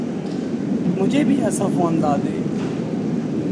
مجھے بھی ایسا فون لا دیں